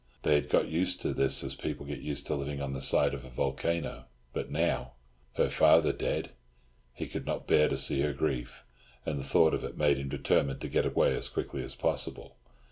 They had got used to this as people get used to living on the side of a volcano. But now—? Her father dead! He could not bear to see her grief, and the thought of it made him determined to get away as quickly as possible.